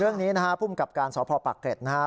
เรื่องนี้นะฮะภูมิกับการสพปากเกร็ดนะฮะ